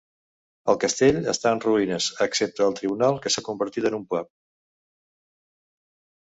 El castell està en ruïnes, excepte el tribunal, que s'ha convertit en un pub.